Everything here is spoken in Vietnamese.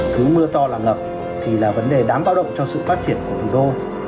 cứ mưa to là ngập thì là vấn đề đáng bao động cho sự phát triển của thủ đô